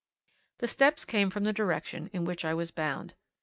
The steps came from the direction in which I was bound.